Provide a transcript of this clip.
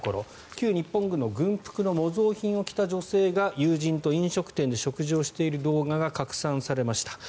旧日本軍の軍服の模造品を着た女性が友人と飲食店で食事をしている動画が拡散されました。